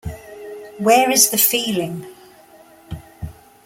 Where Is the Feeling?